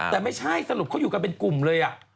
แต่ไม่ใช่สรุปเขาอยู่กันเป็นกลุ่มเลย